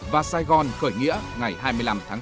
và sài gòn cởi nghĩa ngày hai mươi năm tháng bốn